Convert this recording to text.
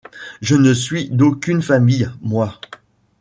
Je ne suis d’aucune famille, moi.